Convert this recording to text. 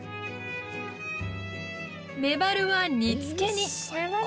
メバルは煮つけに。